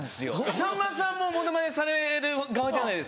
さんまさんもモノマネされる側じゃないですか。